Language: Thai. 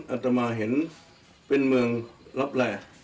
อาตมาเห็นเป็นเมืองรับแหล่